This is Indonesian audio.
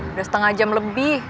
udah setengah jam lebih